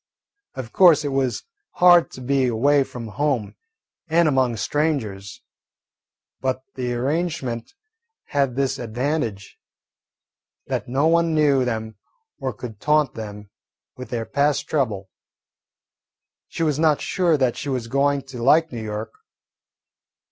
Of course, it was hard to be away from home and among strangers, but the arrangement had this advantage, that no one knew them or could taunt them with their past trouble. She was not sure that she was going to like New York.